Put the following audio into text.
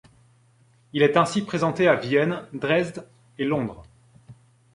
Il est ainsi présenté à Vienne, Dresde et Londres.